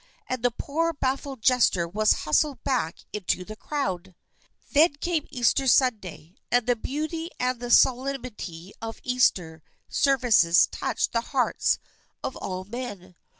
and the poor baffled jester was hustled back into the crowd. Then came Easter Sunday, and the beauty and the solemnity of the Easter services touched the hearts of all men.